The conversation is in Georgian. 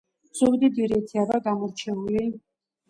ზუგდიდი რითია აბა გამორჩეული?